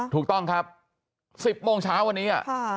ถูกต้องครับ๑๐โมงเช้าวันนี้